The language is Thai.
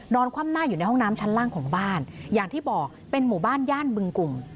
คว่ำหน้าอยู่ในห้องน้ำชั้นล่างของบ้านอย่างที่บอกเป็นหมู่บ้านย่านบึงกลุ่ม